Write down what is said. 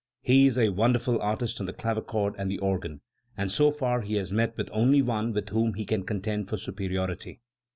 He is a wonderful artist on the clavichord and the organ, and so far he has met with only one with whom he can contend for superiority.